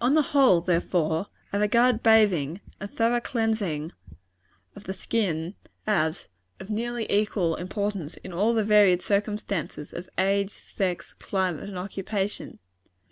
On the whole, therefore, I regard bathing and thorough cleansing of the skin, as of nearly equal importance in all the varied circumstances of age, sex, climate and occupation.